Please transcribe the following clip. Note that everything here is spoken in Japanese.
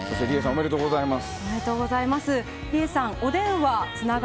おめでとうございます。